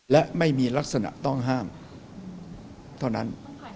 และไม่มีลักษณะต้องห้ามเท่านั้น